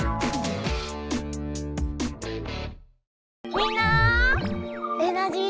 みんなエナジー